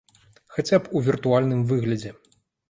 Хаця б у віртуальным выглядзе.